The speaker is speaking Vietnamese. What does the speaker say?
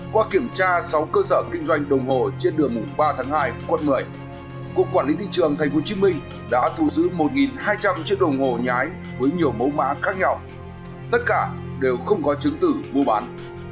quốc quản lý thị trường tp hcm đã thu giữ một hai trăm linh chiếc đồng hồ nhái với nhiều mẫu mã khác nhau tất cả đều không có chứng tử mua bán